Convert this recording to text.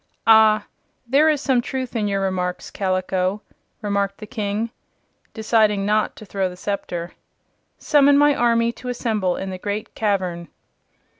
"Ah, there is some truth in your remarks, Kaliko," remarked the King, deciding not to throw the scepter. "Summon my army to assemble in the Great Cavern."